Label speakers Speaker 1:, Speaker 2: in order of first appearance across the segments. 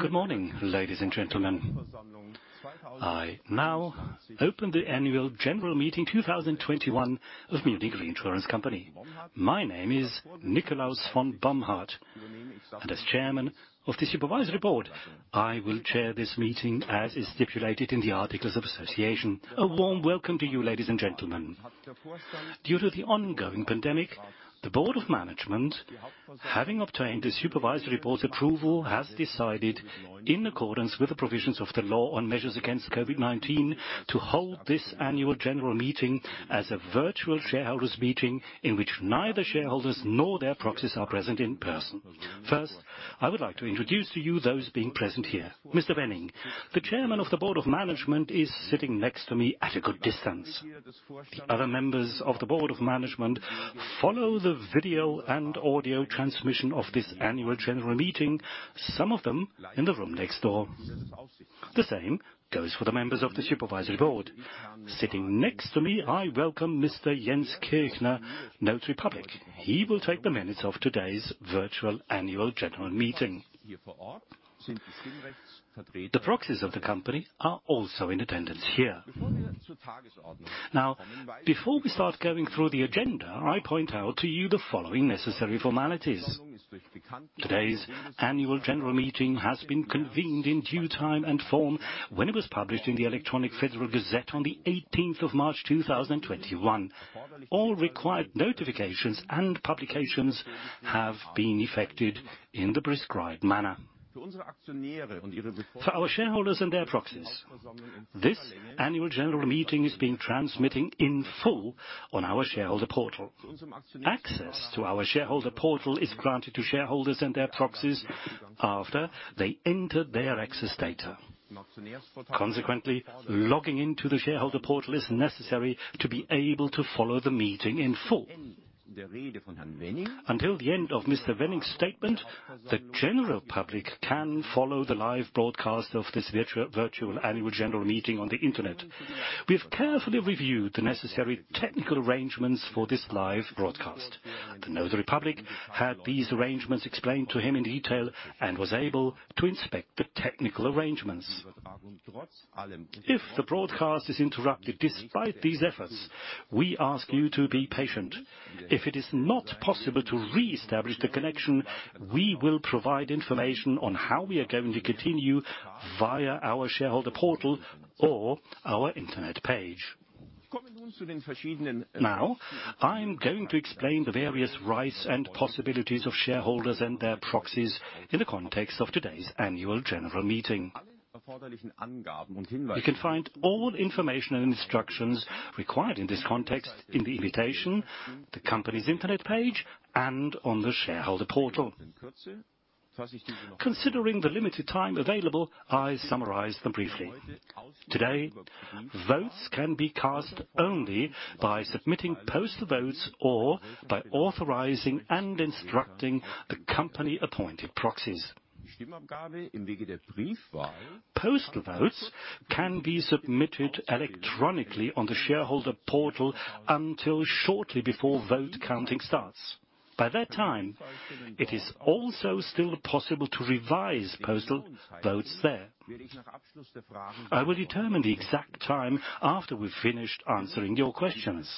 Speaker 1: Good morning, ladies and gentlemen. I now open the annual general meeting 2021 of Munich Reinsurance Company. My name is Nikolaus von Bomhard, and as Chairman of the Supervisory Board, I will chair this meeting as is stipulated in the articles of association. A warm welcome to you, ladies and gentlemen. Due to the ongoing pandemic, the Board of Management, having obtained the Supervisory Board's approval, has decided, in accordance with the provisions of the law on measures against COVID-19, to hold this annual general meeting as a virtual shareholders' meeting in which neither shareholders nor their proxies are present in person. First, I would like to introduce to you those being present here. Mr. Wenning, the Chairman of the Board of Management, is sitting next to me at a good distance. The other members of the Board of Management follow the video and audio transmission of this Annual General Meeting, some of them in the room next door. The same goes for the members of the Supervisory Board. Sitting next to me, I welcome Mr. Jens Kirchner, notary public. He will take the minutes of today's virtual Annual General Meeting. The proxies of the company are also in attendance here. Now, before we start going through the agenda, I point out to you the following necessary formalities. Today's Annual General Meeting has been convened in due time and form when it was published in the Electronic Federal Gazette on the 18th of March 2021. All required notifications and publications have been effected in the prescribed manner. For our shareholders and their proxies, this Annual General Meeting is being transmitted in full on our shareholder portal. Access to our shareholder portal is granted to shareholders and their proxies after they enter their access data. Consequently, logging into the shareholder portal is necessary to be able to follow the meeting in full. Until the end of Joachim Wenning's statement, the general public can follow the live broadcast of this virtual annual general meeting on the internet. We've carefully reviewed the necessary technical arrangements for this live broadcast. Joachim Wenning had these arrangements explained to him in detail and was able to inspect the technical arrangements. If the broadcast is interrupted despite these efforts, we ask you to be patient. If it is not possible to reestablish the connection, we will provide information on how we are going to continue via our shareholder portal or our internet page. Now, I'm going to explain the various rights and possibilities of shareholders and their proxies in the context of today's annual general meeting. You can find all information and instructions required in this context in the invitation, the company's internet page, and on the shareholder portal. Considering the limited time available, I summarize them briefly. Today, votes can be cast only by submitting postal votes or by authorizing and instructing the company-appointed proxies. Postal votes can be submitted electronically on the shareholder portal until shortly before vote counting starts. By that time, it is also still possible to revise postal votes there. I will determine the exact time after we've finished answering your questions.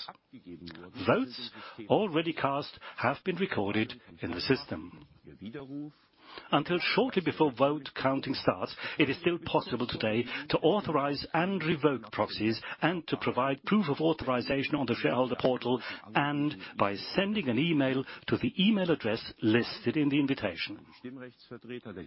Speaker 1: Votes already cast have been recorded in the system. Until shortly before vote counting starts, it is still possible today to authorize and revoke proxies and to provide proof of authorization on the shareholder portal and by sending an email to the email address listed in the invitation.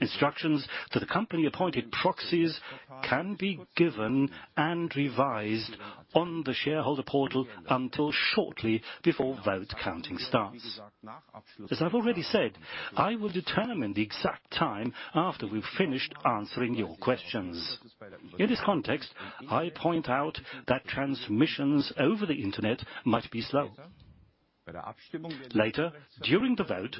Speaker 1: Instructions to the company-appointed proxies can be given and revised on the shareholder portal until shortly before vote counting starts. As I've already said, I will determine the exact time after we've finished answering your questions. In this context, I point out that transmissions over the internet might be slow. Later during the vote,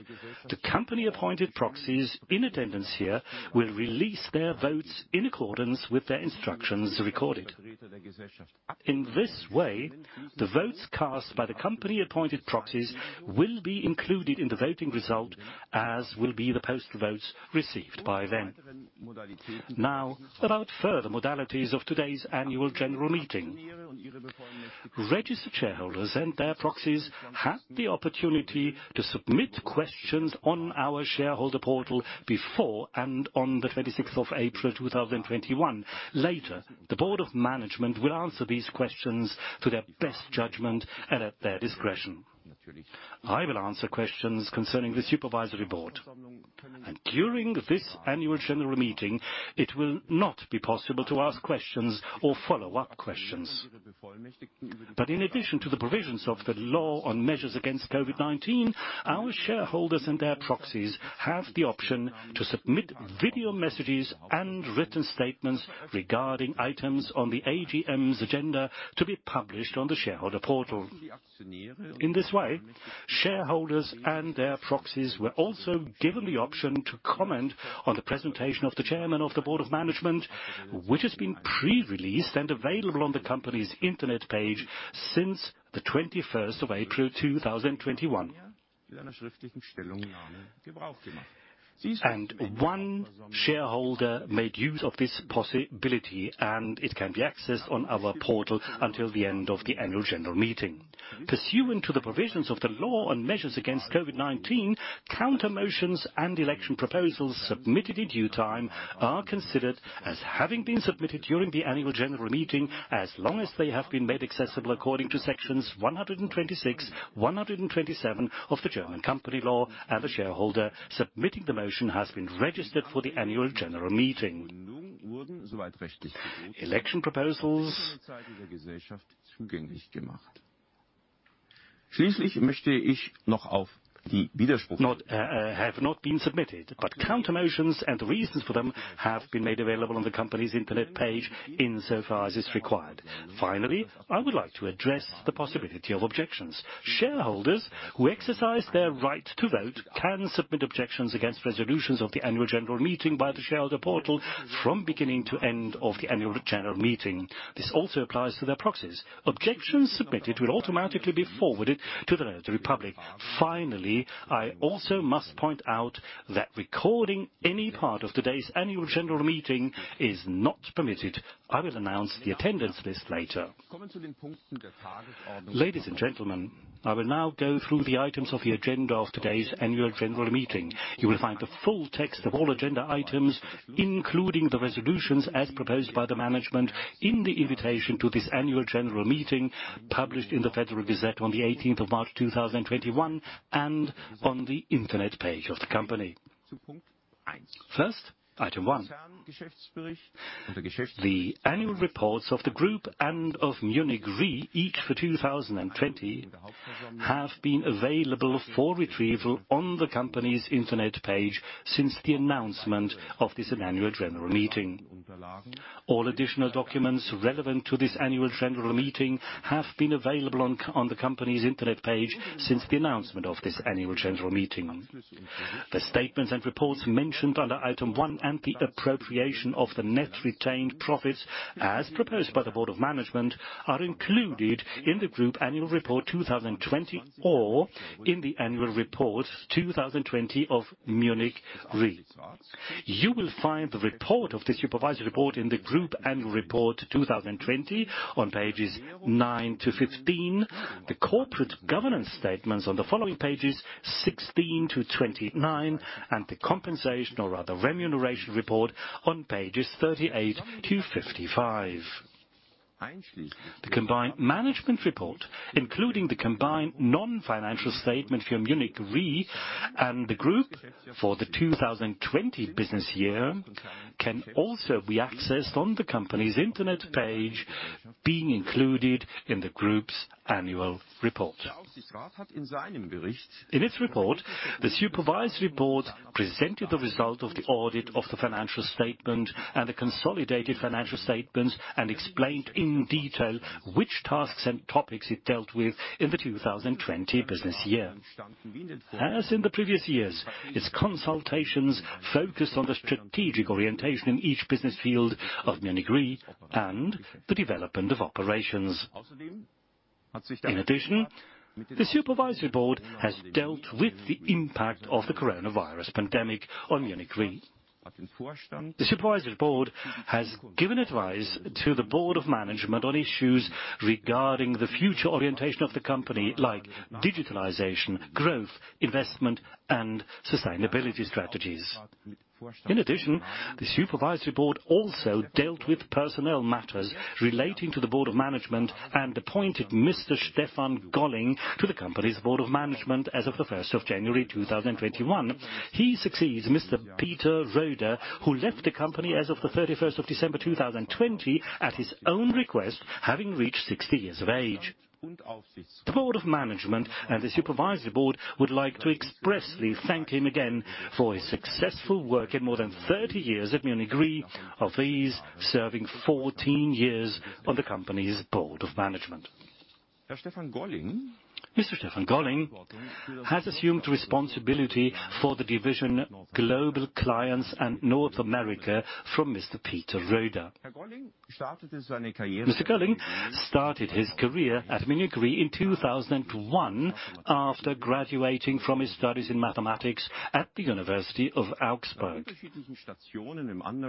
Speaker 1: the company-appointed proxies in attendance here will release their votes in accordance with their instructions recorded. In this way, the votes cast by the company-appointed proxies will be included in the voting result, as will be the postal votes received by then. About further modalities of today's annual general meeting. Registered shareholders and their proxies had the opportunity to submit questions on our shareholder portal before and on the 26th of April 2021. Later, the board of management will answer these questions to their best judgment and at their discretion. I will answer questions concerning the supervisory board. During this annual general meeting, it will not be possible to ask questions or follow-up questions. In addition to the provisions of the law on measures against COVID-19, our shareholders and their proxies have the option to submit video messages and written statements regarding items on the AGM's agenda to be published on the shareholder portal. In this way, shareholders and their proxies were also given the option to comment on the presentation of the chairman of the board of management, which has been pre-released and available on the company's internet page since the 21st of April 2021. With a written statement and one shareholder made use of this possibility, and it can be accessed on our portal until the end of the annual general meeting. Pursuant to the provisions of the law and measures against COVID-19, counter motions and election proposals submitted in due time are considered as having been submitted during the annual general meeting as long as they have been made accessible according to Sections 126, 127 of the German Stock Corporation Act, and the shareholder submitting the motion has been registered for the annual general meeting. Election proposals have not been submitted, but counter motions and reasons for them have been made available on the company's internet page insofar as is required. Finally, I would like to address the possibility of objections. Shareholders who exercise their right to vote can submit objections against resolutions of the annual general meeting by the shareholder portal from beginning to end of the annual general meeting. This also applies to their proxies. Objections submitted will automatically be forwarded to the Federal Republic. Finally, I also must point out that recording any part of today's annual general meeting is not permitted. I will announce the attendance list later. Ladies and gentlemen, I will now go through the items of the agenda of today's annual general meeting. You will find the full text of all agenda items, including the resolutions as proposed by the management in the invitation to this annual general meeting, published in the Federal Gazette on the 18th of March 2021, and on the internet page of the company. First, item 1. The annual reports of the Group and of Munich Re, each for 2020, have been available for retrieval on the company's internet page since the announcement of this annual general meeting. All additional documents relevant to this annual general meeting have been available on the company's internet page since the announcement of this annual general meeting. The statements and reports mentioned under item one and the appropriation of the net retained profits, as proposed by the Board of Management, are included in the Group annual report 2020 or in the annual report 2020 of Munich Re. You will find the report of the Supervisory Board in the Group Annual Report 2020 on pages nine to 15, the Corporate Governance Statements on the following pages 16-29, and the Compensation or rather Remuneration Report on pages 38-55. The Combined Management Report, including the Combined Non-Financial Statement for Munich Re and the Group for the 2020 business year, can also be accessed on the company's internet page being included in the Group's Annual Report. In its report, the Supervisory Board presented the result of the audit of the financial statement and the consolidated financial statements and explained in detail which tasks and topics it dealt with in the 2020 business year. As in the previous years, its consultations focused on the strategic orientation in each business field of Munich Re and the development of operations. In addition, the supervisory board has dealt with the impact of the coronavirus pandemic on Munich Re. The supervisory board has given advice to the board of management on issues regarding the future orientation of the company, like digitalization, growth, investment, and sustainability strategies. In addition, the supervisory board also dealt with personnel matters relating to the board of management and appointed Mr. Stefan Golling to the company's board of management as of the 1st of January 2021. He succeeds Mr. Peter Röder, who left the company as of the 31st of December 2020 at his own request, having reached 60 years of age. The board of management and the supervisory board would like to expressly thank him again for his successful work in more than 30 years at Munich Re. Of these, serving 14 years on the company's board of management. Stefan Golling has assumed responsibility for the division Global Clients and North America from Peter Röder. Mr. Golling started his career at Munich Re in 2001 after graduating from his studies in mathematics at the University of Augsburg.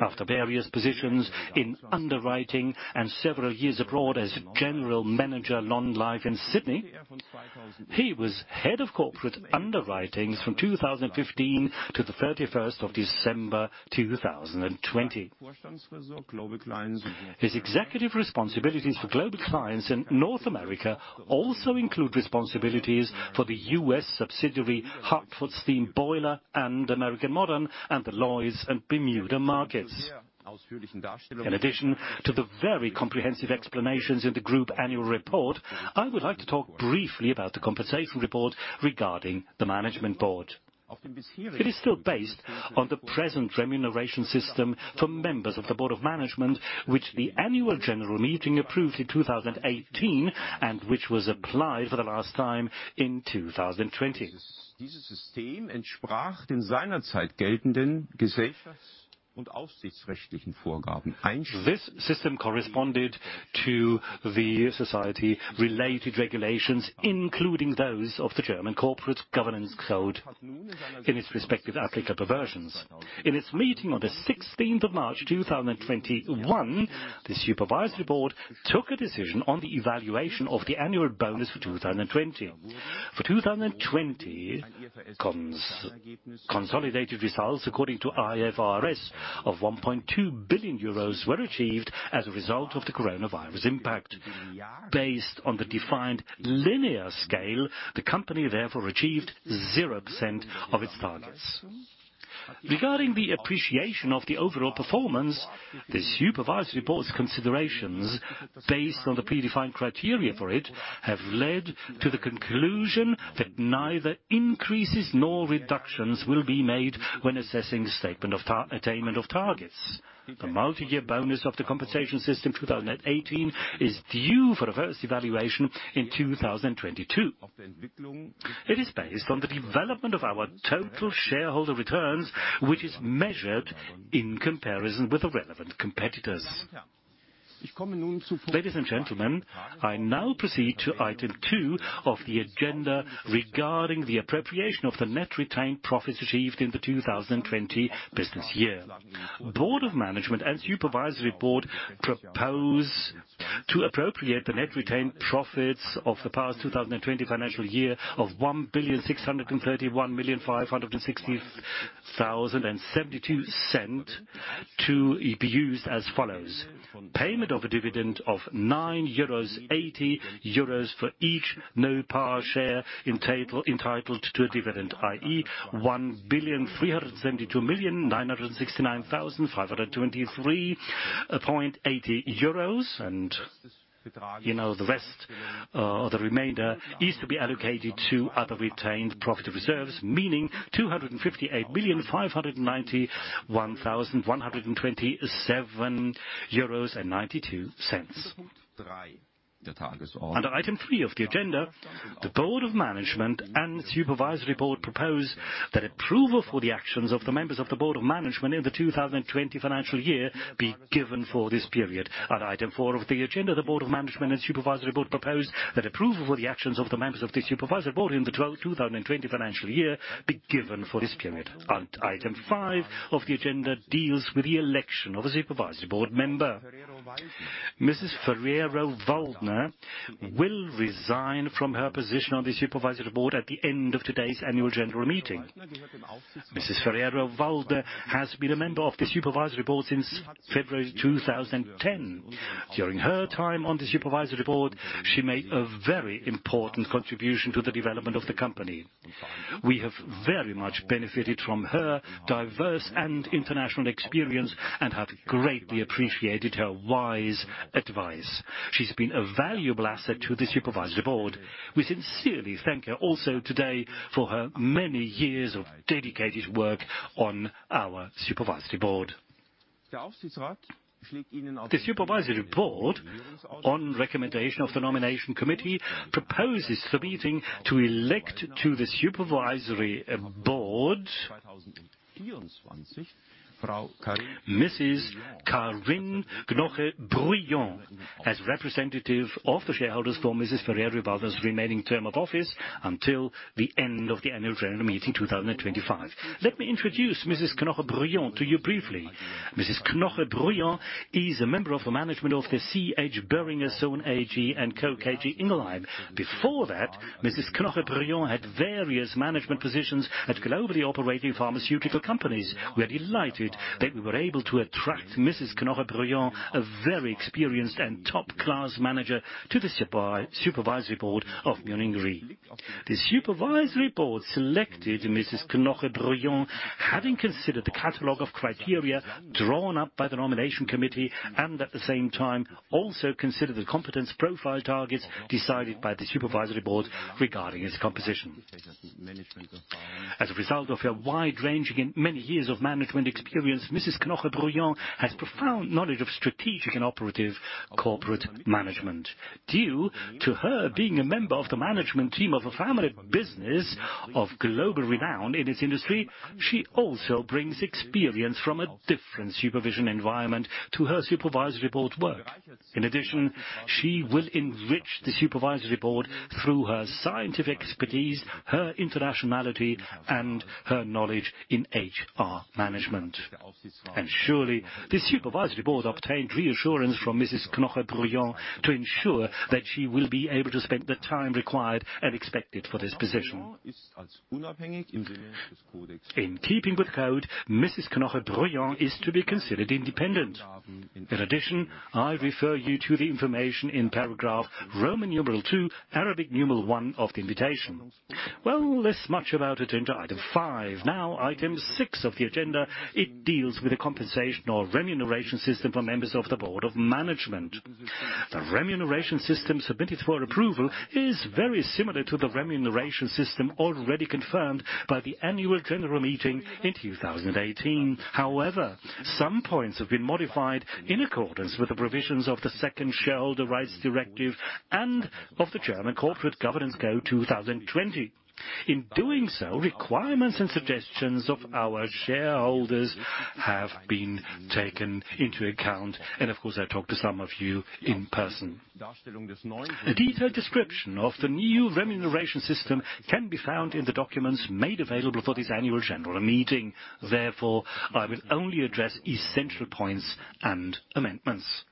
Speaker 1: After various positions in underwriting and several years abroad as General Manager Non-Life in Sydney, he was Head of Corporate Underwriting from 2015 to the 31st of December 2020. His executive responsibilities for Global Clients and North America also include responsibilities for the U.S. subsidiary Hartford Steam Boiler and American Modern and the Lloyd's and Bermuda markets. In addition to the very comprehensive explanations in the group annual report, I would like to talk briefly about the compensation report regarding the management board. It is still based on the present remuneration system for members of the Board of Management, which the annual general meeting approved in 2018 and which was applied for the last time in 2020. This system corresponded to the society related regulations, including those of the German Corporate Governance Code in its respective applicable versions. In its meeting on the 16th of March 2021, the Supervisory Board took a decision on the evaluation of the annual bonus for 2020. For 2020, consolidated results according to IFRS of 1.2 billion euros were achieved as a result of the coronavirus impact. Based on the defined linear scale, the company therefore achieved 0% of its targets. Regarding the appreciation of the overall performance, the Supervisory Board's considerations, based on the predefined criteria for it, have led to the conclusion that neither increases nor reductions will be made when assessing the statement of attainment of targets. The multi-year bonus of the compensation system 2018 is due for the first evaluation in 2022. It is based on the development of our total shareholder return, which is measured in comparison with the relevant competitors. Ladies and gentlemen, I now proceed to item two of the agenda regarding the appropriation of the net retained profits achieved in the 2020 business year. Board of Management and Supervisory Board propose to appropriate the net retained profits of the past 2020 financial year of 1,631,560,000.72 to be used as follows. Payment of a dividend of 9.80 euros for each no-par share entitled to a dividend, i.e., 1,372,969,523.80 euros. The rest, or the remainder, is to be allocated to other retained profit reserves, meaning 258,591,127.92 euros. Under item three of the agenda, the Board of Management and Supervisory Board propose that approval for the actions of the members of the Board of Management in the 2020 financial year be given for this period. At item four of the agenda, the Board of Management and Supervisory Board propose that approval for the actions of the members of the Supervisory Board in the 2020 financial year be given for this period. Item five of the agenda deals with the election of a Supervisory Board member. Mrs. Ferrero-Waldner will resign from her position on the Supervisory Board at the end of today's annual general meeting. Mrs. Ferrero-Waldner has been a member of the Supervisory Board since February 2010. During her time on the Supervisory Board, she made a very important contribution to the development of the company. We have very much benefited from her diverse and international experience and have greatly appreciated her wise advice. She's been a valuable asset to the Supervisory Board. We sincerely thank her also today for her many years of dedicated work on our Supervisory Board. The Supervisory Board, on recommendation of the Nomination Committee, proposes the meeting to elect to the Supervisory Board Mrs. Carinne Knoche-Brouillon as representative of the shareholders for Mrs. Ferrero-Waldner's remaining term of office until the end of the annual general meeting 2025. Let me introduce Mrs. Carinne Knoche-Brouillon to you briefly. Mrs. Carinne Knoche-Brouillon is a member of the management of the C.H. Boehringer Ingelheim. Before that, Mrs. Carinne Knoche-Brouillon had various management positions at globally operating pharmaceutical companies. We are delighted that we were able to attract Mrs. Carinne Knoche-Brouillon, a very experienced and top-class manager, to the Supervisory Board of Munich Re. The Supervisory Board selected Mrs. Carinne Knoche-Brouillon, having considered the catalog of criteria drawn up by the Nomination Committee, and at the same time also considered the competence profile targets decided by the Supervisory Board regarding its composition. As a result of her wide range and many years of management experience, Mrs. Carinne Knoche-Brouillon has profound knowledge of strategic and operative corporate management. Due to her being a member of the management team of a family business of global renown in its industry, she also brings experience from a different supervision environment to her Supervisory Board work. In addition, she will enrich the Supervisory Board through her scientific expertise, her internationality, and her knowledge in HR management. Surely, the Supervisory Board obtained reassurance from Mrs. Carinne Knoche-Brouillon to ensure that she will be able to spend the time required and expected for this position. In keeping with code, Mrs. Carinne Knoche-Brouillon is to be considered independent. In addition, I refer you to the information in paragraph Roman numeral II, Arabic numeral one of the invitation. Well, this much about agenda item five. Now, item six of the agenda, it deals with the compensation or remuneration system for members of the Board of Management. The remuneration system submitted for approval is very similar to the remuneration system already confirmed by the annual general meeting in 2018. However, some points have been modified in accordance with the provisions of the Second Shareholder Rights Directive and of the German Corporate Governance Code 2020. In doing so, requirements and suggestions of our shareholders have been taken into account, and of course, I talked to some of you in person. A detailed description of the new remuneration system can be found in the documents made available for this Annual General Meeting. Therefore, I will only address essential points and amendments.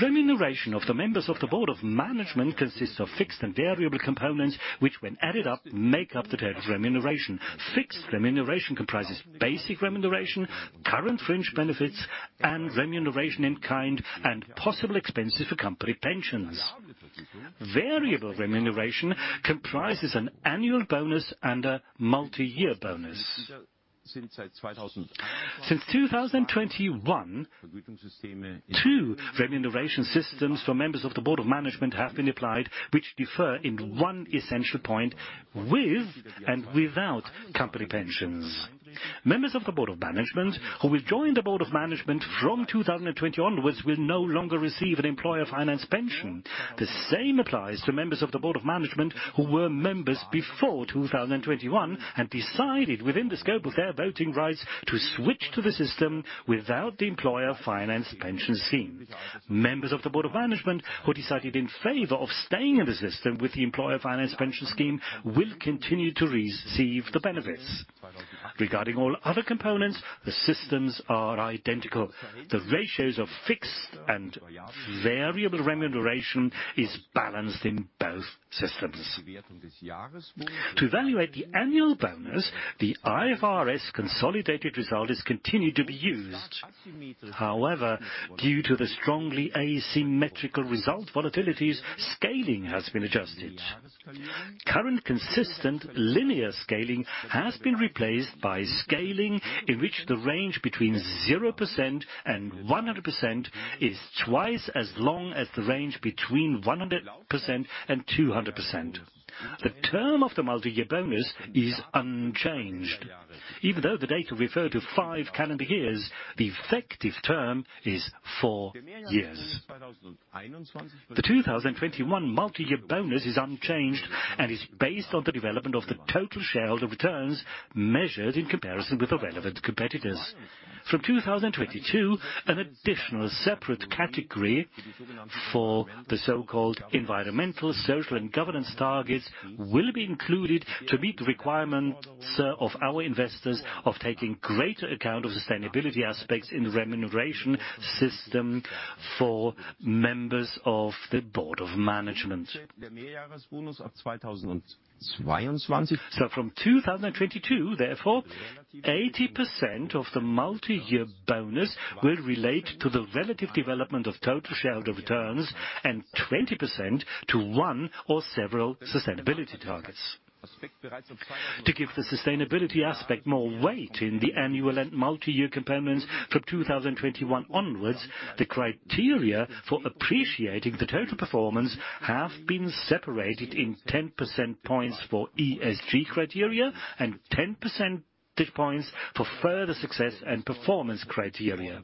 Speaker 1: Remuneration of the members of the Board of Management consists of fixed and variable components, which when added up, make up the total remuneration. Fixed remuneration comprises basic remuneration, current fringe benefits, and remuneration in kind, and possible expenses for company pensions. Variable remuneration comprises an annual bonus and a multi-year bonus. Since 2021, two remuneration systems for members of the Board of Management have been applied, which differ in one essential point, with and without company pensions. Members of the Board of Management who will join the Board of Management from 2020 onwards will no longer receive an employer-financed pension. The same applies to members of the Board of Management who were members before 2021 and decided within the scope of their voting rights to switch to the system without the employer-financed pension scheme. Members of the Board of Management who decided in favor of staying in the system with the employer-financed pension scheme will continue to receive the benefits. Regarding all other components, the systems are identical. The ratios of fixed and variable remuneration is balanced in both systems. To evaluate the annual bonus, the IFRS consolidated result is continued to be used. However, due to the strongly asymmetrical result volatilities, scaling has been adjusted. Current consistent linear scaling has been replaced by scaling in which the range between 0% and 100% is twice as long as the range between 100% and 200%. The term of the multi-year bonus is unchanged. Even though the data refer to five calendar years, the effective term is four years. The 2021 multi-year bonus is unchanged and is based on the development of the total shareholder returns measured in comparison with the relevant competitors. From 2022, an additional separate category for the so-called environmental, social, and governance targets will be included to meet the requirements of our investors of taking greater account of sustainability aspects in the remuneration system for members of the Board of Management. From 2022, therefore, 80% of the multi-year bonus will relate to the relative development of total shareholder returns and 20% to one or several sustainability targets. To give the sustainability aspect more weight in the annual and multi-year components from 2021 onwards, the criteria for appreciating the total performance have been separated in 10% points for ESG criteria and 10% points for further success and performance criteria.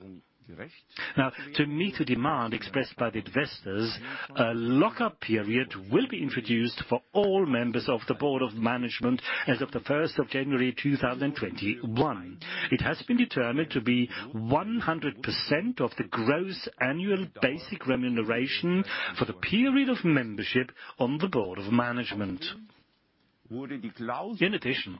Speaker 1: To meet the demand expressed by the investors, a lock-up period will be introduced for all members of the Board of Management as of the 1st of January 2021. It has been determined to be 100% of the gross annual basic remuneration for the period of membership on the Board of Management. In addition,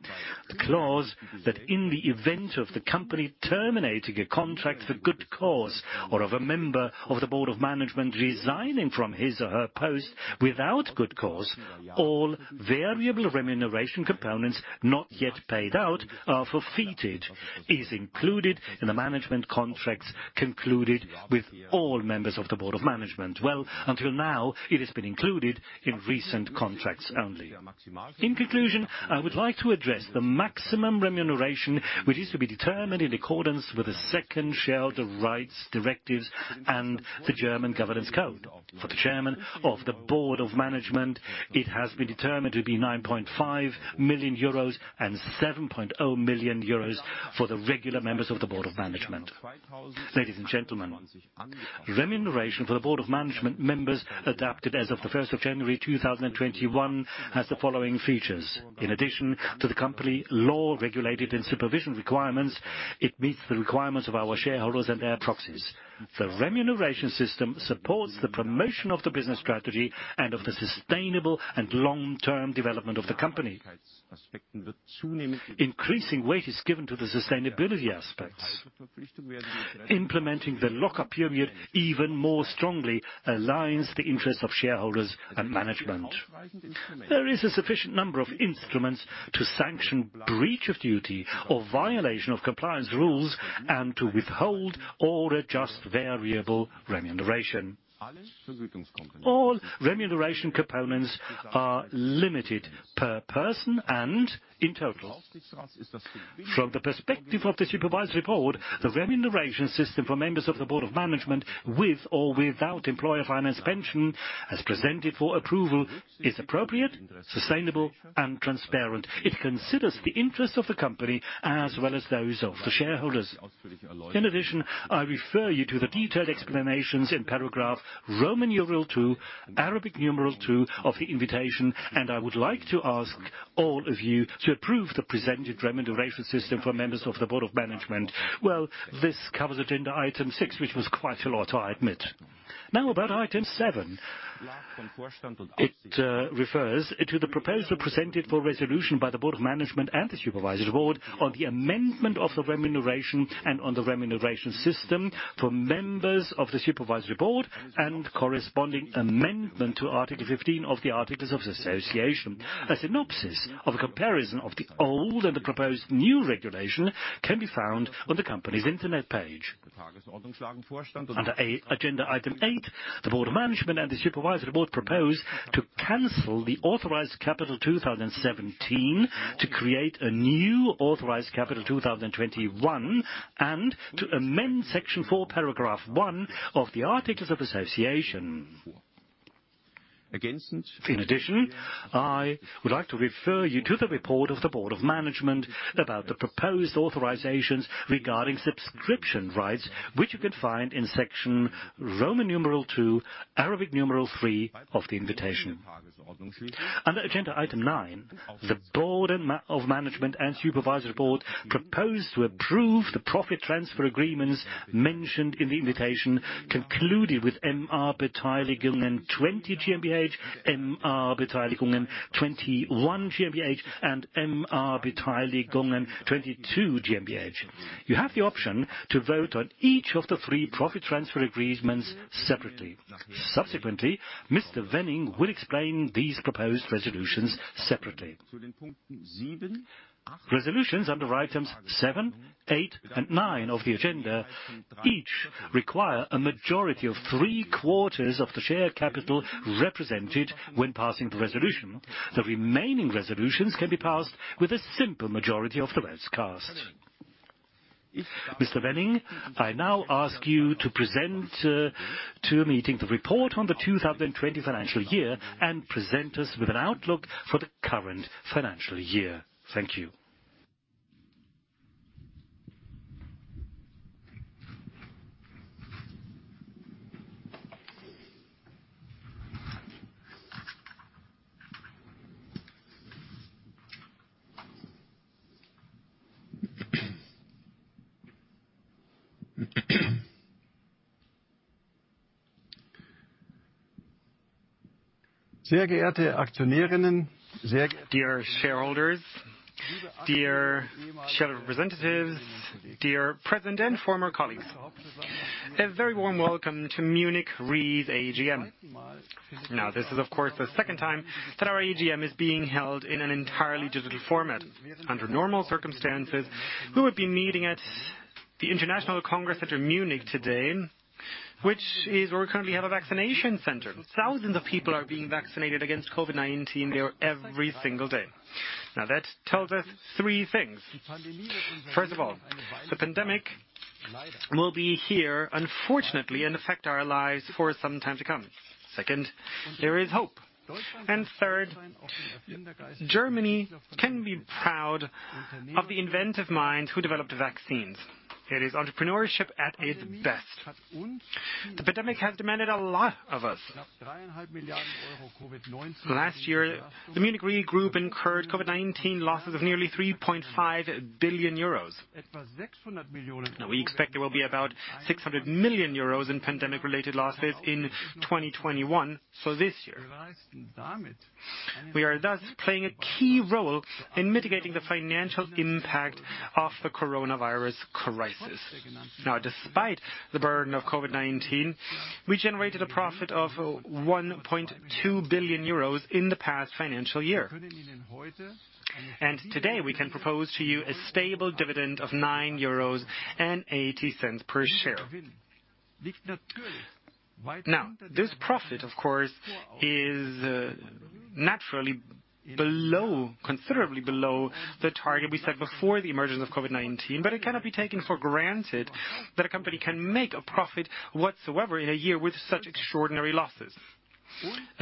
Speaker 1: the clause that in the event of the company terminating a contract for good cause or of a member of the Board of Management resigning from his or her post without good cause, all variable remuneration components not yet paid out are forfeited, is included in the management contracts concluded with all members of the Board of Management. Well, until now, it has been included in recent contracts only. In conclusion, I would like to address the maximum remuneration, which is to be determined in accordance with the Second Shareholder Rights Directive and the German Corporate Governance Code. For the Chairman of the Board of Management, it has been determined to be 9.5 million euros and 7.0 million euros for the regular members of the Board of Management. Ladies and gentlemen, remuneration for the Board of Management members adapted as of the 1st of January 2021 has the following features. In addition to the company law regulated and supervision requirements, it meets the requirements of our shareholders and their proxies. The remuneration system supports the promotion of the business strategy and of the sustainable and long-term development of the company. Increasing weight is given to the sustainability aspects. Implementing the lock-up period even more strongly aligns the interests of shareholders and management. There is a sufficient number of instruments to sanction breach of duty or violation of compliance rules and to withhold or adjust variable remuneration. All remuneration components are limited per person and in total. From the perspective of the Supervisory Board, the remuneration system for members of the Board of Management with or without employer-financed pension, as presented for approval, is appropriate, sustainable, and transparent. It considers the interests of the company as well as those of the shareholders. In addition, I refer you to the detailed explanations in paragraph Roman numeral II, Arabic numeral two of the invitation, and I would like to ask all of you to approve the presented remuneration system for members of the Board of Management. Well, this covers agenda item six, which was quite a lot, I admit. Now about item seven. It refers to the proposal presented for resolution by the Board of Management and the Supervisory Board on the amendment of the remuneration and on the remuneration system for members of the Supervisory Board and corresponding amendment to Article 15 of the Articles of Association. A synopsis of a comparison of the old and the proposed new regulation can be found on the company's internet page. Under agenda item eight, the Board of Management and the Supervisory Board propose to cancel the Authorised Capital 2017 to create a new Authorised Capital 2021 and to amend Section four, Paragraph one of the Articles of Association. I would like to refer you to the report of the Board of Management about the proposed authorizations regarding subscription rights, which you can find in Section Roman numeral II, Arabic numeral three of the invitation. Under agenda item nine, the Board of Management and Supervisory Board propose to approve the profit transfer agreements mentioned in the invitation concluded with MR Beteiligungen 20 GmbH, MR Beteiligungen 21 GmbH, and MR Beteiligungen 22 GmbH. You have the option to vote on each of the three profit transfer agreements separately. Mr. Wenning will explain these proposed resolutions separately. Resolutions under items seven, eight, and nine of the agenda each require a majority of three-quarters of the share capital represented when passing the resolution. The remaining resolutions can be passed with a simple majority of the votes cast. Mr. Wenning, I now ask you to present to the meeting the report on the 2020 financial year and present us with an outlook for the current financial year. Thank you.
Speaker 2: Dear shareholders, dear share representatives, dear present and former colleagues. A very warm welcome to Munich Re's AGM. This is of course, the second time that our AGM is being held in an entirely digital format. Under normal circumstances, we would be meeting at the International Congress Center Munich today, which is where we currently have a vaccination center. Thousands of people are being vaccinated against COVID-19 there every single day. That tells us three things. First of all, the pandemic will be here, unfortunately, and affect our lives for some time to come. Second, there is hope, and third, Germany can be proud of the inventive minds who developed the vaccines. It is entrepreneurship at its best. The pandemic has demanded a lot of us. Last year, the Munich Re Group incurred COVID-19 losses of nearly 3.5 billion euros. We expect there will be about 600 million euros in pandemic-related losses in 2021, so this year. We are thus playing a key role in mitigating the financial impact of the coronavirus crisis. Despite the burden of COVID-19, we generated a profit of 1.2 billion euros in the past financial year. Today, we can propose to you a stable dividend of 9.80 euros per share. This profit, of course, is naturally considerably below the target we set before the emergence of COVID-19, but it cannot be taken for granted that a company can make a profit whatsoever in a year with such extraordinary losses.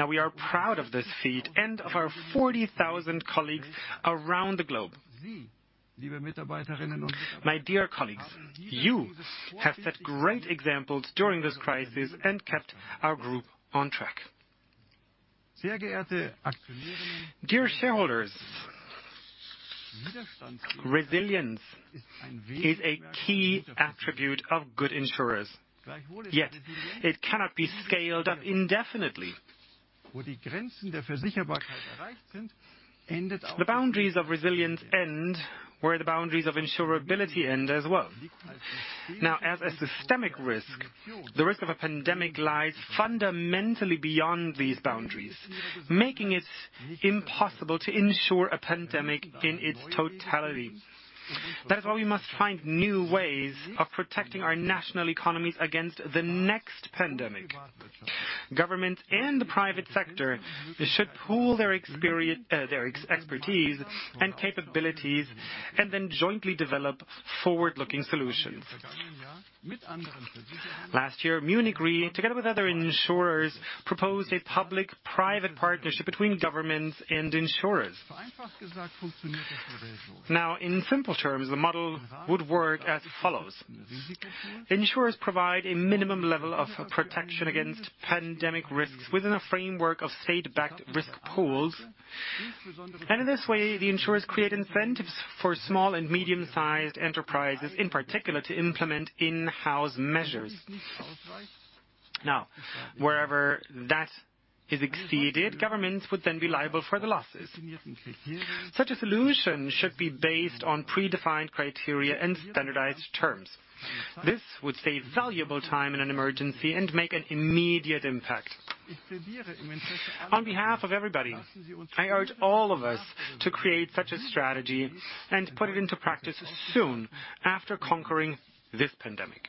Speaker 2: We are proud of this feat and of our 40,000 colleagues around the globe. My dear colleagues, you have set great examples during this crisis and kept our Group on track. Dear shareholders, resilience is a key attribute of good insurers, yet it cannot be scaled up indefinitely. The boundaries of resilience end where the boundaries of insurability end as well. Now, as a systemic risk, the risk of a pandemic lies fundamentally beyond these boundaries, making it impossible to insure a pandemic in its totality. That is why we must find new ways of protecting our national economies against the next pandemic. Governments and the private sector should pool their expertise and capabilities, and then jointly develop forward-looking solutions. Last year, Munich Re, together with other insurers, proposed a public-private partnership between governments and insurers. Now, in simple terms, the model would work as follows. Insurers provide a minimum level of protection against pandemic risks within a framework of state-backed risk pools. In this way, the insurers create incentives for small and medium-sized enterprises, in particular, to implement in-house measures. Wherever that is exceeded, governments would then be liable for the losses. Such a solution should be based on predefined criteria and standardized terms. This would save valuable time in an emergency and make an immediate impact. On behalf of everybody, I urge all of us to create such a strategy and put it into practice soon after conquering this pandemic.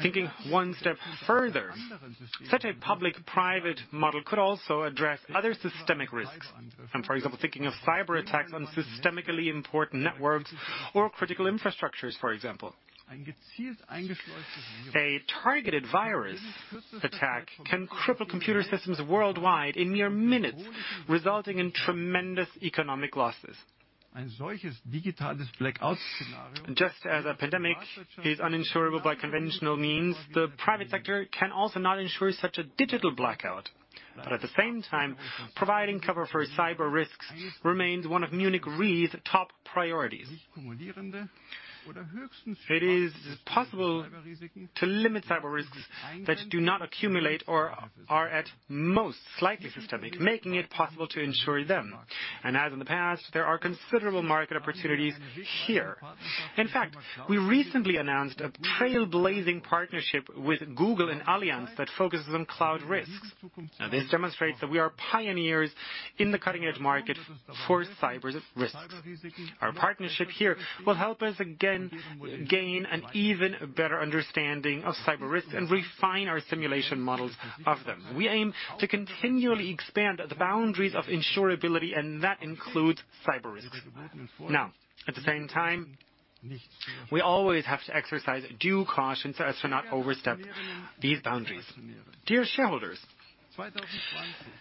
Speaker 2: Thinking one step further, such a public-private model could also address other systemic risks. For example, thinking of cyberattacks on systemically important networks or critical infrastructures, for example. A targeted virus attack can cripple computer systems worldwide in mere minutes, resulting in tremendous economic losses. Just as a pandemic is uninsurable by conventional means, the private sector can also not insure such a digital blackout. At the same time, providing cover for cyber risks remains one of Munich Re's top priorities. It is possible to limit cyber risks that do not accumulate or are at most slightly systemic, making it possible to insure them. As in the past, there are considerable market opportunities here. In fact, we recently announced a trailblazing partnership with Google and Allianz that focuses on cloud risks. This demonstrates that we are pioneers in the cutting-edge market for cyber risks. Our partnership here will help us again gain an even better understanding of cyber risks and refine our simulation models of them. We aim to continually expand the boundaries of insurability, and that includes cyber risks. At the same time, we always have to exercise due caution so as to not overstep these boundaries. Dear shareholders,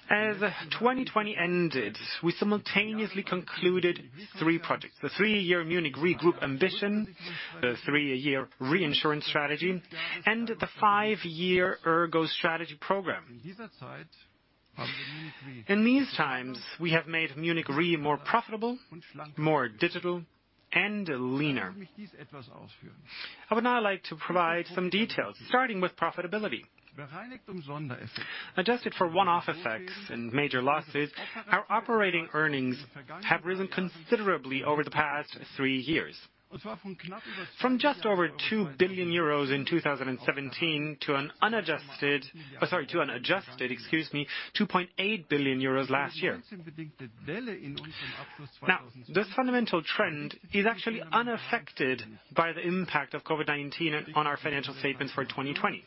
Speaker 2: as 2020 ended, we simultaneously concluded three projects, the three-year Munich RE Group Ambition, the three-year reinsurance strategy, and the five-year ERGO Strategy Programme. In these times, we have made Munich RE more profitable, more digital, and leaner. I would now like to provide some details, starting with profitability. Adjusted for one-off effects and major losses, our operating earnings have risen considerably over the past three years. From just over 2 billion euros in 2017 to an unadjusted, excuse me, 2.8 billion euros last year. This fundamental trend is actually unaffected by the impact of COVID-19 on our financial statements for 2020.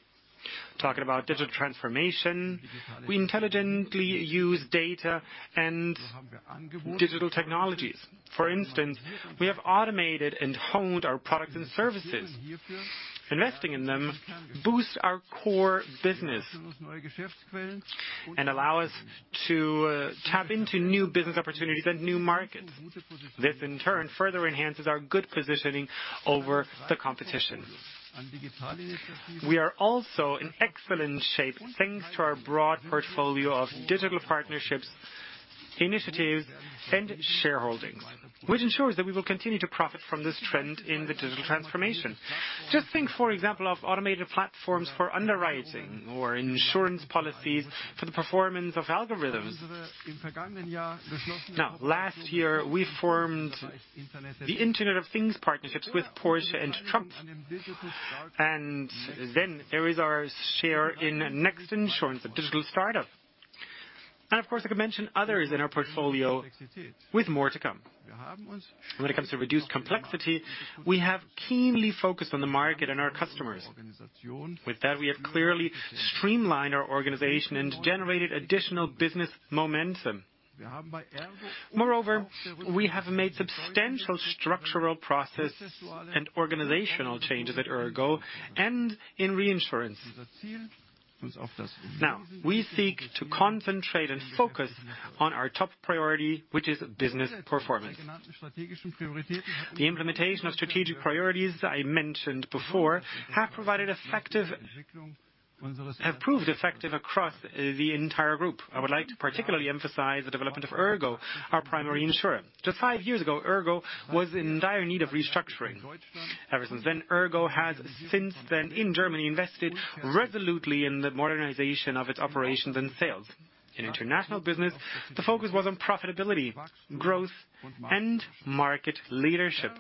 Speaker 2: Talking about digital transformation, we intelligently use data and digital technologies. For instance, we have automated and honed our products and services. Investing in them boosts our core business and allows us to tap into new business opportunities and new markets. This, in turn, further enhances our good positioning over the competition. We are also in excellent shape thanks to our broad portfolio of digital partnerships, initiatives, and shareholdings, which ensures that we will continue to profit from this trend in the digital transformation. Just think, for example, of automated platforms for underwriting or insurance policies for the performance of algorithms. Last year, we formed the Internet of Things partnerships with Porsche and TRUMPF. There is our share in Next Insurance, a digital startup. Of course, I could mention others in our portfolio, with more to come. When it comes to reduced complexity, we have keenly focused on the market and our customers. With that, we have clearly streamlined our organization and generated additional business momentum. Moreover, we have made substantial structural process and organizational changes at ERGO and in reinsurance. We seek to concentrate and focus on our top priority, which is business performance. The implementation of strategic priorities I mentioned before have proved effective across the entire Group. I would like to particularly emphasize the development of ERGO, our primary insurer. Just five years ago, ERGO was in dire need of restructuring. Ever since then, ERGO has in Germany invested resolutely in the modernization of its operations and sales. In international business, the focus was on profitability, growth, and market leadership.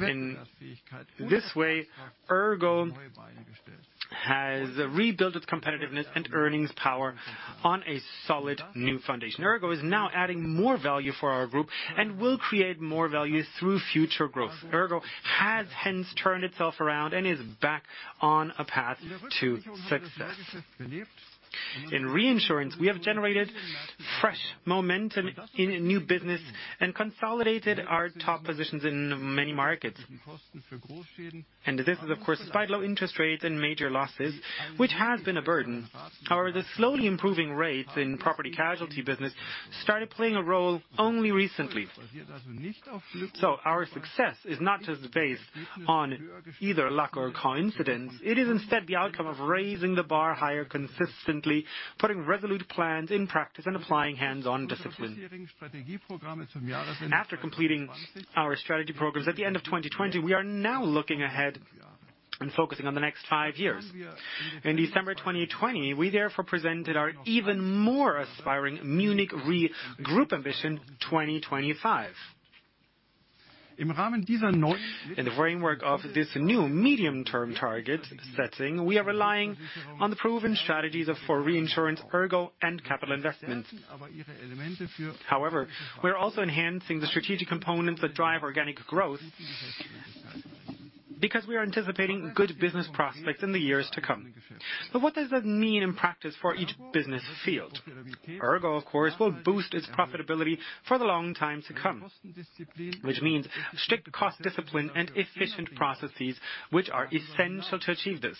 Speaker 2: In this way, ERGO has rebuilt its competitiveness and earnings power on a solid new foundation. ERGO is now adding more value for our Group and will create more value through future growth. ERGO has hence turned itself around and is back on a path to success. In reinsurance, we have generated fresh momentum in new business and consolidated our top positions in many markets. This is, of course, despite low interest rates and major losses, which has been a burden. However, the slowly improving rates in property-casualty business started playing a role only recently. Our success is not just based on either luck or coincidence. It is instead the outcome of raising the bar higher consistently, putting resolute plans in practice, and applying hands-on discipline. After completing our strategy programs at the end of 2020, we are now looking ahead and focusing on the next five years. In December 2020, we therefore presented our even more aspiring Munich Re Group Ambition 2025. In the framework of this new medium-term target setting, we are relying on the proven strategies for reinsurance, ERGO, and capital investments. However, we are also enhancing the strategic components that drive organic growth, because we are anticipating good business prospects in the years to come. What does that mean in practice for each business field? ERGO, of course, will boost its profitability for the long time to come, which means strict cost discipline and efficient processes, which are essential to achieve this.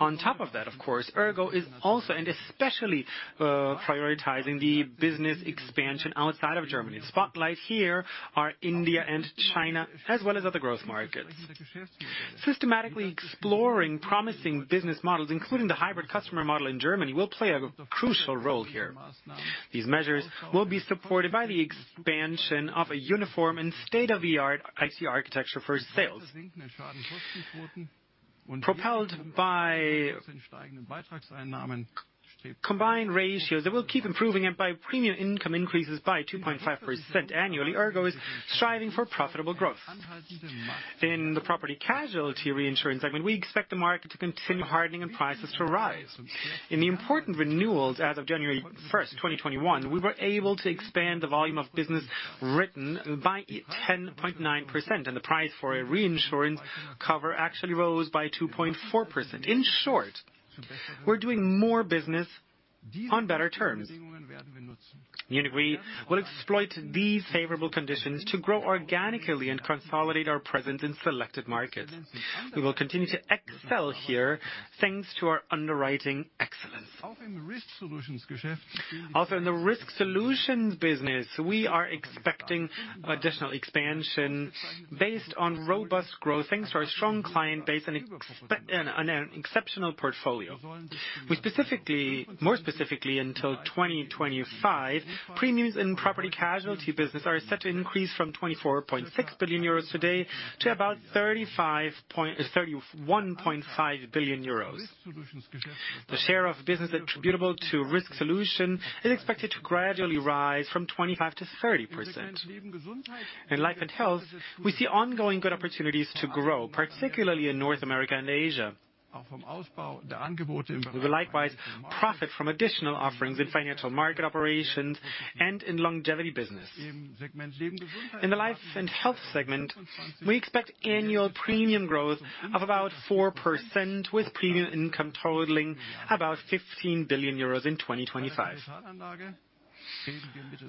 Speaker 2: On top of that, of course, ERGO is also, and especially, prioritizing the business expansion outside of Germany. The spotlight here are India and China, as well as other growth markets. Systematically exploring promising business models, including the hybrid customer model in Germany, will play a crucial role here. These measures will be supported by the expansion of a uniform and state-of-the-art IT architecture for sales. Propelled by combined ratio, it will keep improving, and by premium income increases by 2.5% annually, ERGO is striving for profitable growth. In the property-casualty reinsurance segment, we expect the market to continue hardening and prices to rise. In the important renewals as of January 1st, 2021, we were able to expand the volume of business written by 10.9%, and the price for a reinsurance cover actually rose by 2.4%. In short, we're doing more business on better terms. Munich Re will exploit these favorable conditions to grow organically and consolidate our presence in selected markets. We will continue to excel here thanks to our underwriting excellence. Also in the Risk Solutions business, we are expecting additional expansion based on robust growth thanks to our strong client base and an exceptional portfolio. More specifically, until 2025, premiums in property-casualty business are set to increase from 24.6 billion euros today to about 31.5 billion euros. The share of business attributable to Risk Solutions is expected to gradually rise from 25%-30%. In life and health, we see ongoing good opportunities to grow, particularly in North America and Asia. We will likewise profit from additional offerings in financial market operations and in longevity business. In the life and health segment, we expect annual premium growth of about 4% with premium income totaling about 15 billion euros in 2025.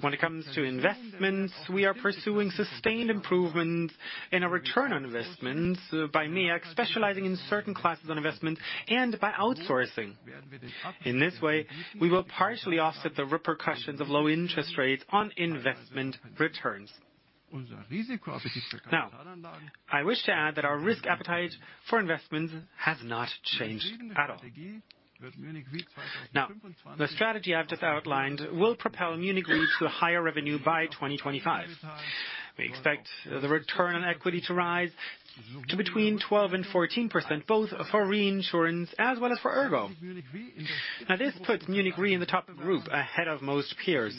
Speaker 2: When it comes to investments, we are pursuing sustained improvement in our return on investments by MEAG specializing in certain classes on investment and by outsourcing. In this way, we will partially offset the repercussions of low interest rates on investment returns. I wish to add that our risk appetite for investments has not changed at all. The strategy I've just outlined will propel Munich RE to higher revenue by 2025. We expect the return on equity to rise to between 12% and 14%, both for reinsurance as well as for ERGO. This puts Munich Re in the top group ahead of most peers.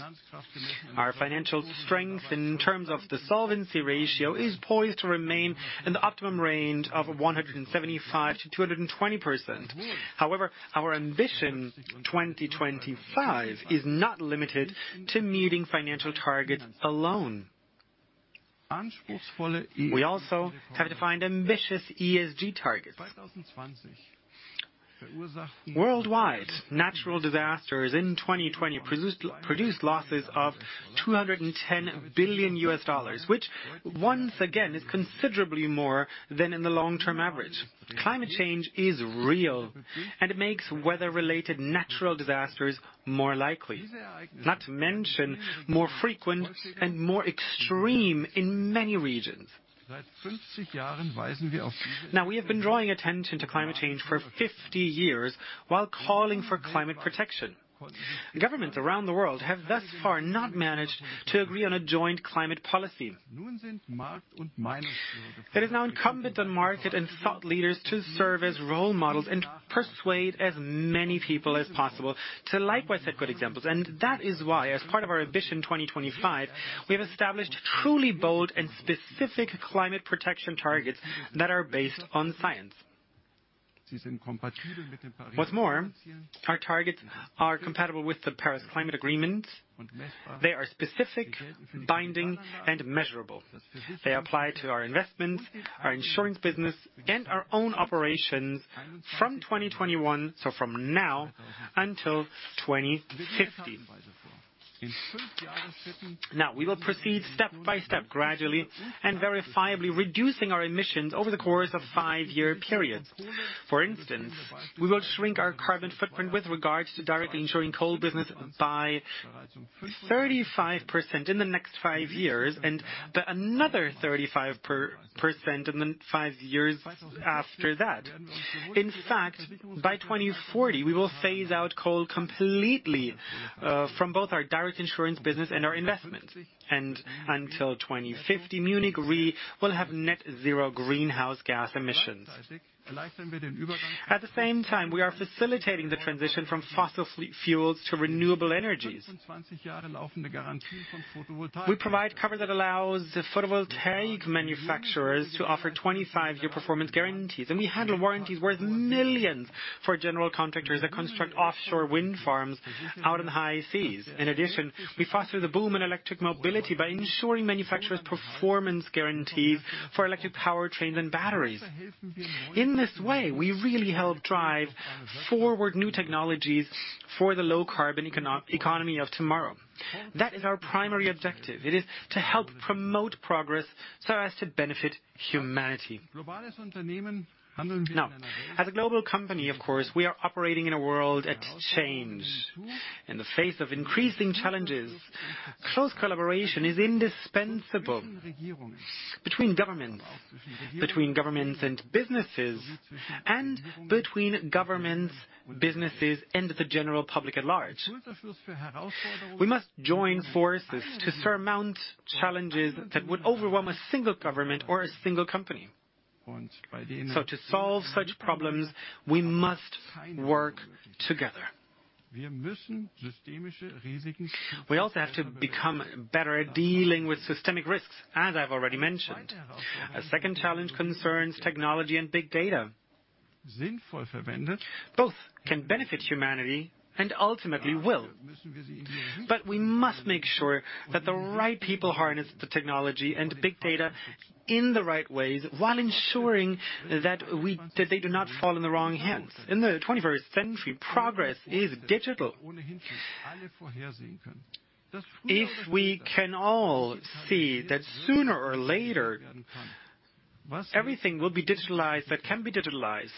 Speaker 2: Our financial strength in terms of the solvency ratio is poised to remain in the optimum range of 175%-220%. Our Ambition 2025 is not limited to meeting financial targets alone. We also have defined ambitious ESG targets. Worldwide, natural disasters in 2020 produced losses of $210 billion, which once again is considerably more than in the long-term average. Climate change is real, it makes weather-related natural disasters more likely, not to mention more frequent and more extreme in many regions. We have been drawing attention to climate change for 50 years while calling for climate protection. Governments around the world have thus far not managed to agree on a joint climate policy. It is now incumbent on market and thought leaders to serve as role models and persuade as many people as possible to likewise set good examples. That is why, as part of our Ambition 2025, we have established truly bold and specific climate protection targets that are based on science. What's more, our targets are compatible with the Paris Climate Agreement. They are specific, binding, and measurable. They apply to our investments, our insurance business, and our own operations from 2021, so from now until 2050. We will proceed step-by-step, gradually and verifiably reducing our emissions over the course of five-year periods. For instance, we will shrink our carbon footprint with regards to directly ensuring coal business by 35% in the next five years, and another 35% in the five years after that. In fact, by 2040, we will phase out coal completely from both our direct insurance business and our investment. Until 2050, Munich Re will have net zero greenhouse gas emissions. At the same time, we are facilitating the transition from fossil fuels to renewable energies. We provide cover that allows the photovoltaic manufacturers to offer 25-year performance guarantees, and we handle warranties worth millions for general contractors that construct offshore wind farms out in the high seas. In addition, we foster the boom in electric mobility by insuring manufacturers' performance guarantees for electric powertrains and batteries. In this way, we really help drive forward new technologies for the low-carbon economy of tomorrow. That is our primary objective. It is to help promote progress so as to benefit humanity. As a global company, of course, we are operating in a world at change. In the face of increasing challenges, close collaboration is indispensable between governments, between governments and businesses, and between governments, businesses, and the general public at large. We must join forces to surmount challenges that would overwhelm a single government or a single company. To solve such problems, we must work together. We also have to become better at dealing with systemic risks, as I've already mentioned. A second challenge concerns technology and big data. Both can benefit humanity and ultimately will. We must make sure that the right people harness the technology and big data in the right ways while ensuring that they do not fall in the wrong hands. In the 21st century, progress is digital. If we can all see that sooner or later, everything will be digitalized that can be digitalized,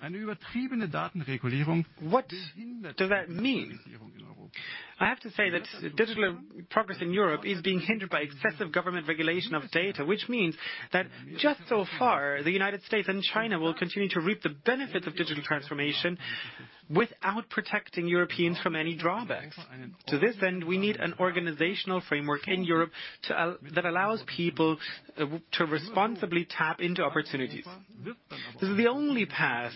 Speaker 2: what does that mean? I have to say that digital progress in Europe is being hindered by excessive government regulation of data, which means that just so far, the United States and China will continue to reap the benefits of digital transformation without protecting Europeans from any drawbacks. To this end, we need an organizational framework in Europe that allows people to responsibly tap into opportunities. This is the only path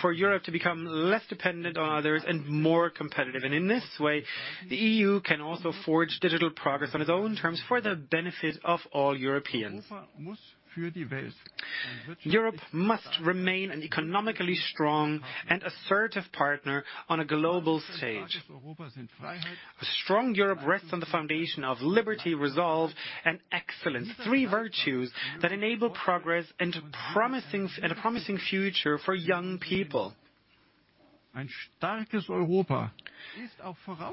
Speaker 2: for Europe to become less dependent on others and more competitive. In this way, the EU can also forge digital progress on its own terms for the benefit of all Europeans. Europe must remain an economically strong and assertive partner on a global stage. A strong Europe rests on the foundation of liberty, resolve, and excellence. Three virtues that enable progress and a promising future for young people.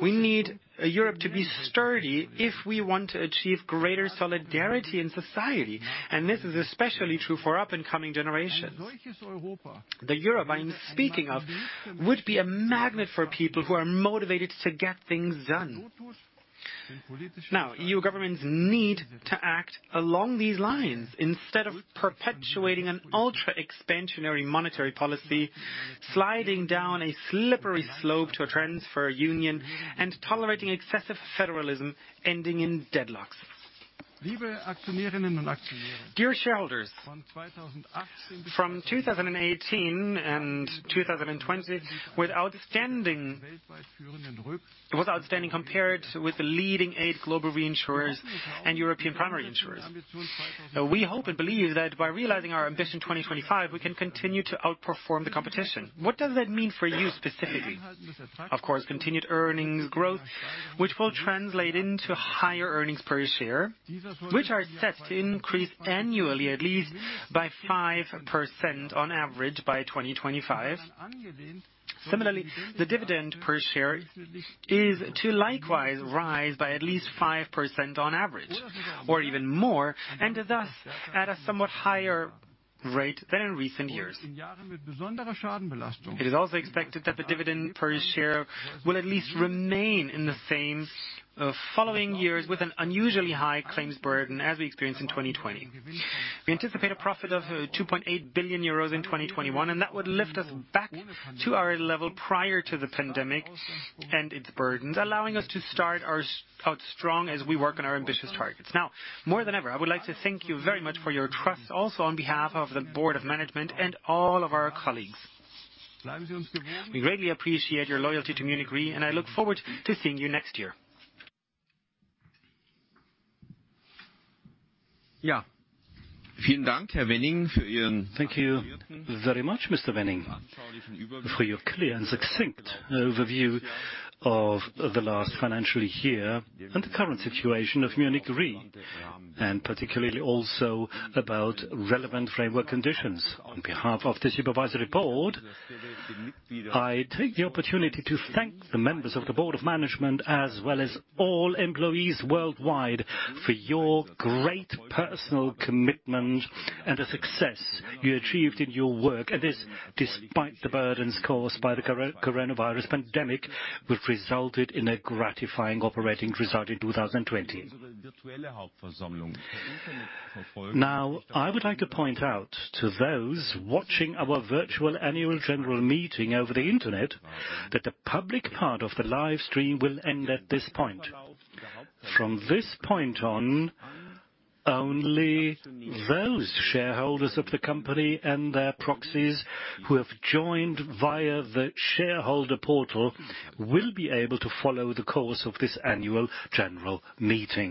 Speaker 2: We need Europe to be sturdy if we want to achieve greater solidarity in society. This is especially true for up-and-coming generations. The Europe I'm speaking of would be a magnet for people who are motivated to get things done. Now, EU governments need to act along these lines instead of perpetuating an ultra-expansionary monetary policy, sliding down a slippery slope to a transfer union and tolerating excessive federalism ending in deadlocks. Dear shareholders, from 2018 and 2020, with outstanding compared with the leading eight global reinsurers and European primary insurers. We hope and believe that by realizing our Ambition 2025, we can continue to outperform the competition. What does that mean for you specifically? Of course, continued earnings growth, which will translate into higher earnings per share, which are set to increase annually, at least by 5% on average by 2025. Similarly, the dividend per share is to likewise rise by at least 5% on average or even more, and thus at a somewhat higher rate than in recent years. It is also expected that the dividend per share will at least remain in the same following years with an unusually high claims burden as we experienced in 2020. We anticipate a profit of 2.8 billion euros in 2021, and that would lift us back to our level prior to the pandemic and its burdens, allowing us to start out strong as we work on our ambitious targets. Now, more than ever, I would like to thank you very much for your trust, also on behalf of the board of management and all of our colleagues. We greatly appreciate your loyalty to Munich Re, and I look forward to seeing you next year.
Speaker 1: Thank you very much, Mr. Wenning, for your clear and succinct overview of the last financial year and the current situation of Munich Re, and particularly also about relevant framework conditions. On behalf of the supervisory board, I take the opportunity to thank the members of the board of management as well as all employees worldwide for your great personal commitment and the success you achieved in your work. This, despite the burdens caused by the coronavirus pandemic, which resulted in a gratifying operating result in 2020. I would like to point out to those watching our virtual annual general meeting over the internet that the public part of the live stream will end at this point. From this point on, only those shareholders of the company and their proxies who have joined via the shareholder portal will be able to follow the course of this annual general meeting.